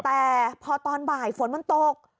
แต่พอตอนบ่ายฝนมันตก